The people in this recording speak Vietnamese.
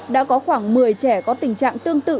đã có khoảng một mươi trẻ có tình trạng tương tự